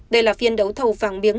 đây là phiên đấu thầu vàng miếng